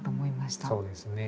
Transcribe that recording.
そうですね。